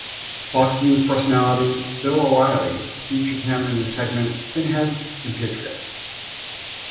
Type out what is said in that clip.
Fox News Personality Bill O'Reilly featured him in his segment "Fin-heads and Patriots".